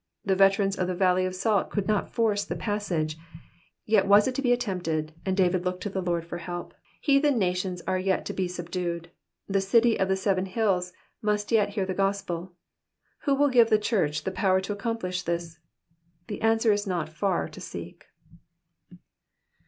The veterans of the valley of salt could not force the passage, yet was it to be attempted, and David looked to the Lord for help. Heathen nations are yet to be subdued. The city of the seven bills must yet hear the gospeL Who will give the church the power to accomplish this ? The answer is not far to seek.